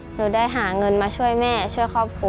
หนูได้หาเงินมาช่วยแม่ช่วยครอบครัว